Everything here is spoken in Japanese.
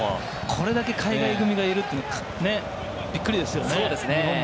これだけ海外組がいるのはびっくりですよね。